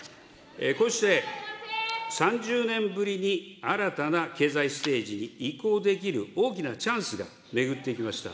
こうして３０年ぶりに新たな経済ステージに移行できる大きなチャンスが巡ってきました。